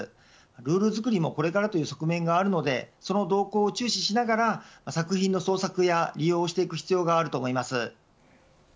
ルール作りもこれからという側面があるのでその動向を注視しながら作品の創作や利用をしていく必要があると思います。